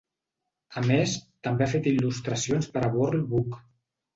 A més, també ha fet il·lustracions per a World Book.